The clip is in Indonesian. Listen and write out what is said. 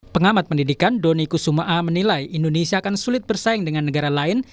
pengamat pendidikan doni kusuma menilai indonesia akan sulit bersaing dengan negara lain